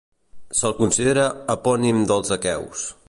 Se'l considera epònim dels aqueus.